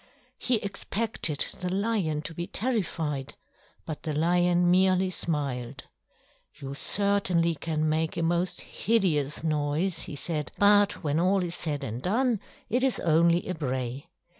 He expected the lion to be terrified, but the lion merely smiled. "You certainly can make a most hideous noise," he said; "but when all is said and done, it is only a bray.